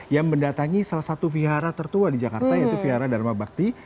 yang mendatangi salah satu vihara tertua di jakarta yaitu vihara dharma bakti